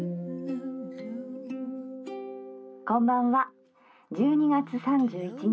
「こんばんは１２月３１日